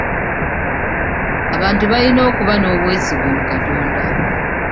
Abantu bayina okuba n'obwesige mu Katonda.